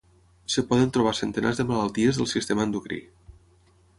Es poden trobar centenars de malalties del sistema endocrí.